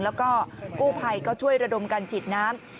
แล้วก็กู้ภัยก็ช่วยระดมการฉีดน้ำ